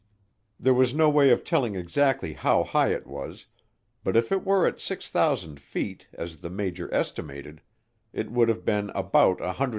There was no way of telling exactly how high it was but if it were at 6,000 feet, as the major estimated, it would have been about 125 feet in diameter.